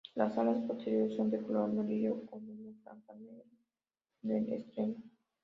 Las alas posteriores son de color amarillo con una franja negra en el extremo.